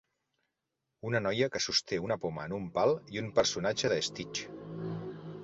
Una noia que sosté una poma en un pal i un personatge de Stitch.